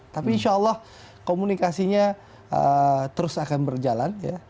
tapi insya allah komunikasinya terus akan berjalan